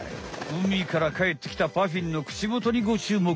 うみからかえってきたパフィンの口もとにご注目。